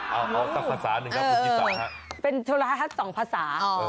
เอาต้องภาษาหนึ่งครับคุณยี่สา